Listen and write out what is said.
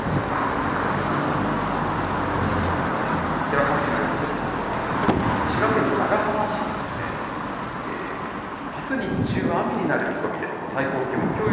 興味ある方はどうぞ。